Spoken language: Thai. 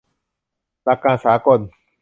หลักการสากล